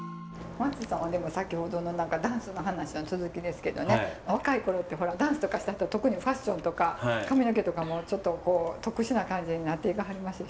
ＭＡＴＳＵさんはでも先ほどのダンスの話の続きですけどね若い頃ってほらダンスとかしたあと特にファッションとか髪の毛とかもちょっとこう特殊な感じになっていかはりますでしょ？